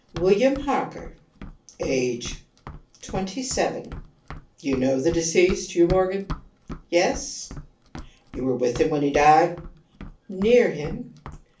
"William Harker." "Age?" "Twenty seven." "You knew the deceased, Hugh Morgan?" "Yes." "You were with him when he died?" "Near him."